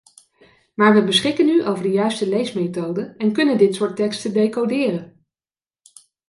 Maar wij beschikken nu over de juiste leesmethoden en kunnen dit soort teksten decoderen.